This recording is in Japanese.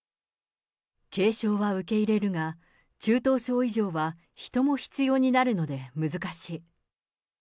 軽症は受け入れるが、中等症以上は人も必要になるので難しい。